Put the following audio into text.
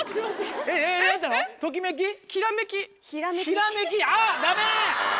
ひらめきあっダメ！